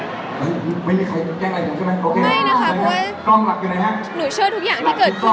ไม่นะคะเพราะว่าหนูเชื่อทุกอย่างที่เกิดขึ้น